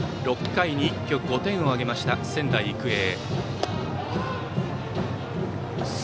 ６回に一挙５点を挙げました仙台育英。